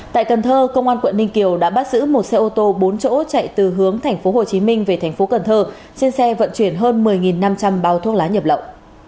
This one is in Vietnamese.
tại cần thơ công an quận ninh kiều đã bắt giữ một xe ô tô bốn chỗ chạy từ hướng tp hcm về thành phố cần thơ trên xe vận chuyển hơn một mươi năm trăm linh bao thuốc lá nhập lậu